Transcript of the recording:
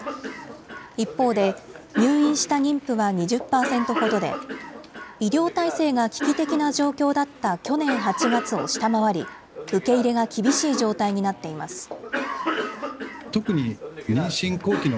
一方で、入院した妊婦は２０％ほどで、医療体制が危機的な状況だった去年８月を下回り、受け入れが厳しい状態になっています。